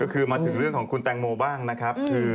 คือมาถึงเรื่องของคุณแตงโมบ้างนะครับ